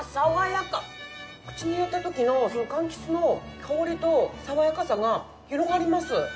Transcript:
口に入れた時の柑橘の香りと爽やかさが広がります。